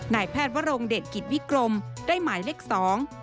นายแพทย์วรงเดชกิจวิกรมได้หมายเลขสอง